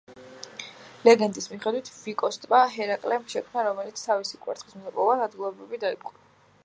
ლეგენდის მიხედვით, ვიკოს ტბა ჰერაკლემ შექმნა, რომელმაც თავისი კვერთხის მოსაპოვებლად ადგილობრივები დაიპყრო.